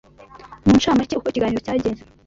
mu nshamake uko ikiganiro cyagenze